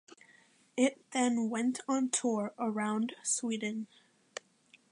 It then went on tour around Sweden.